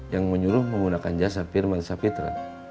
yang menyuruh menggunakan jasa firman sapitra